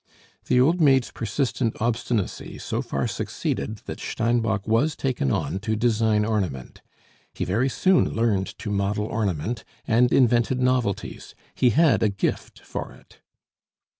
The old maid's persistent obstinacy so far succeeded that Steinbock was taken on to design ornament. He very soon learned to model ornament, and invented novelties; he had a gift for it.